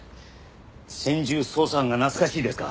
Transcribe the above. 専従捜査班が懐かしいですか？